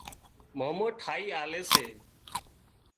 مامو ٺاهِي آلي سي